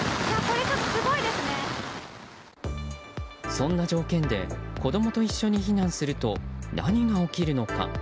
そんな条件で子供と一緒に避難すると何が起きるのか。